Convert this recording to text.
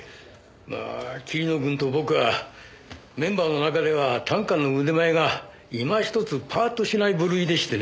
まあ桐野君と僕はメンバーの中では短歌の腕前が今ひとつパッとしない部類でしてね。